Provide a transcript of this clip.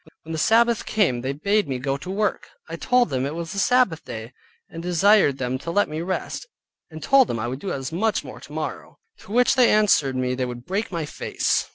When the Sabbath came they bade me go to work. I told them it was the Sabbath day, and desired them to let me rest, and told them I would do as much more tomorrow; to which they answered me they would break my face.